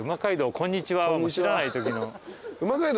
「こんにちは」は知らないときの。